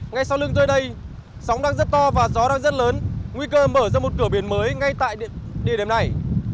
ngay sau lưng tôi đây sóng đang rất to và gió đang rất lớn nguy cơ mở ra một cửa biển mới ngay tại địa điểm này